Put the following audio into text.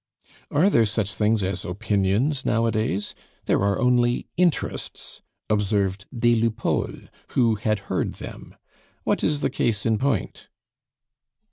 "Are there such things as opinions nowadays? There are only interests," observed des Lupeaulx, who had heard them. "What is the case in point?"